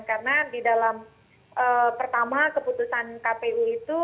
karena di dalam pertama keputusan kpu itu